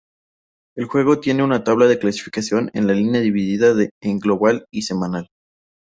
El juego tiene una tabla de clasificación en línea dividida en Global y Semanal.